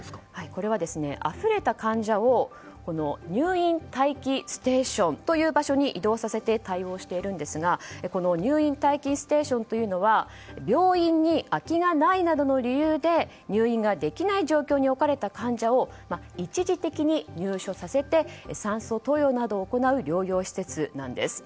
これはあふれた患者を入院待機ステーションという場所に移動させて対応しているんですがこの入院待機ステーションは病院に空きがないなどの理由で入院ができない状況に置かれた患者を一時的に入所させて酸素投与などを行う療養施設なんです。